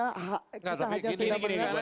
kita hanya sudah pernah publiknya